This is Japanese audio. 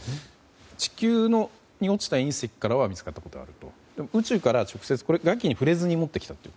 地球に落ちた隕石からは見つかったことがあるけど宇宙から直接これは外気に触れずに持ってきたと。